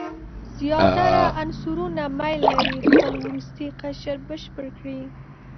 زیاتره عنصرونه میل لري خپل وروستی قشر بشپړ کړي.